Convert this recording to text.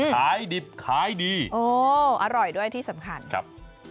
ขายดิบขายดีโอ้อร่อยด้วยที่สำคัญครับ